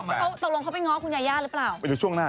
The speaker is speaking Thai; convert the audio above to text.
มาค่ะณเดชน์เอาล่ะค่ะ